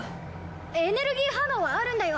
エネルギー反応はあるんだよ。